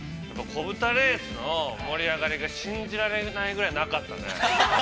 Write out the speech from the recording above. ◆子豚レースの盛り上がりが信じられないぐらいなかったね。